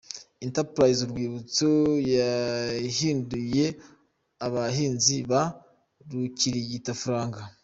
Entreprise Urwibutso yahinduye abahinzi ba ’rukirigitafaranga’.